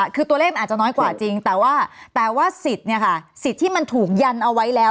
คือตัวเล่มอาจจะน้อยกว่าจริงแต่ว่าสิทธิ์ที่มันถูกยันเอาไว้แล้ว